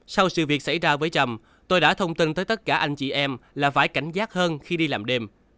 sau sự việc xảy ra với trầm tôi đã thông tin tới tất cả anh chị em là phải cảnh giác hơn khi đi làm đêm